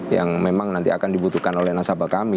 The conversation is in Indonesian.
yang memang nanti akan dibutuhkan oleh nasabah kami